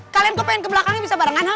kalian kok pengen ke belakangnya bisa barengan